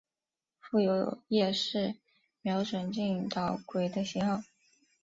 附有夜视瞄准镜导轨的型号。